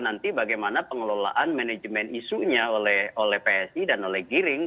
nanti bagaimana pengelolaan manajemen isunya oleh psi dan oleh giring